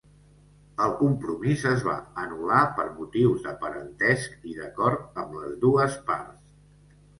El compromís es va anul·lar per motius de parentesc, i d'acord amb les dues parts.